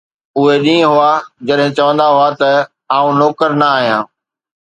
اهي ڏينهن هئا، جڏهن چوندا هئا ته: ”آءٌ نوڪر نه آهيان.